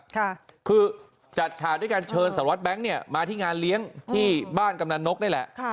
ค่ะคือจัดฉากด้วยการเชิญสารวัตรแบงค์เนี่ยมาที่งานเลี้ยงที่บ้านกำนันนกนี่แหละค่ะ